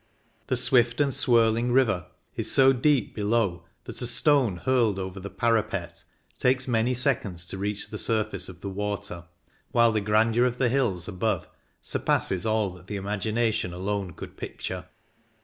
The swift and swirling river is so deep below that a stone hurled over the parapet takes many seconds to reach the surface of the water, while the grandeur of the cliffs above surpasses all that the imagination alone could picture.